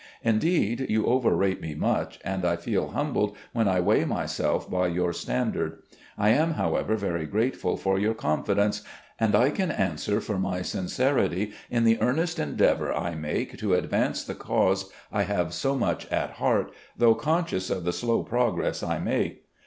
Indeed, you overrate me much, and I feel humbled when I weigh myself by your standard. I am, however, very grateful for your confidence, and I can answer for my sincerity in the earnest endeavour I make to advance the cause I have so much at heart, though conscious of the slow progress I make.